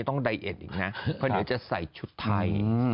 ไดเอ็ดอีกนะเพราะเดี๋ยวจะใส่ชุดไทย